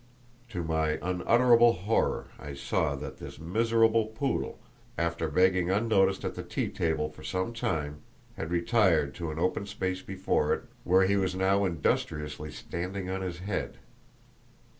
To my unutterable horror, I saw that that miserable poodle, after begging unnoticed at the tea table for some time, had retired to an open space before it, where he was industriously standing on his head.